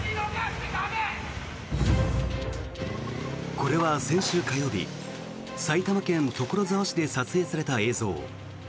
これは先週火曜日埼玉県所沢市で撮影された映像。